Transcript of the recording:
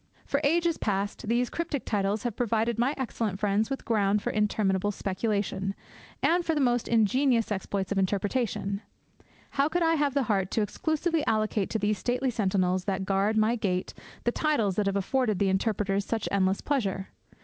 For ages past these cryptic titles have provided my excellent friends with ground for interminable speculation, and for the most ingenious exploits of interpretation. How could I have the heart to exclusively allocate to these stately sentinels that guard my gate the titles that have afforded the interpreters such endless pleasure?